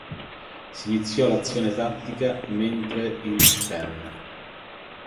Si iniziò l'azione tattica, mentre il ten.